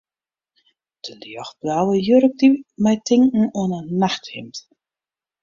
De ljochtblauwe jurk die my tinken oan in nachthimd.